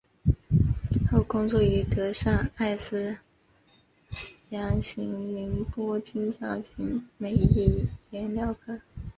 后工作于德商爱礼司洋行宁波经销行美益颜料号。